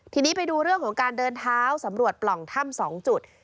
ทีนี้ไปดูเรื่องของการเดินเท้าสำรวจปล่องถ้ำ๒จุด